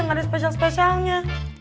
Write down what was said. gak ada spesial spesialnya